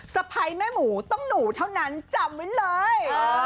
สะพ้ายแม่หมูต้องหนูเท่านั้นจำไว้เลย